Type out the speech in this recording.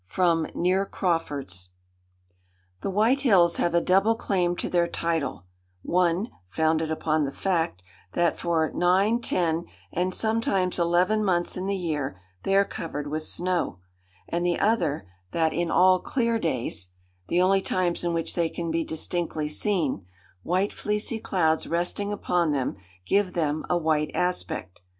(FROM NEAR CRAWFORD'S.) The White Hills have a double claim to their title—one founded upon the fact, that, for nine, ten, and sometimes eleven months in the year, they are covered with snow; and the other, that, in all clear days, (the only times in which they can be distinctly seen,) white fleecy clouds resting upon them, give them a white aspect.